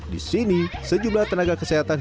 di sini sejumlah tenaga kesehatan